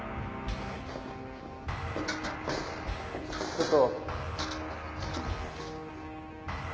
ちょっと。